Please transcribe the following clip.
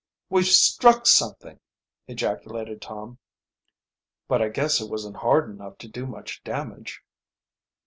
"We've struck something!" ejaculated Tom. "But I guess it wasn't hard enough to do much damage."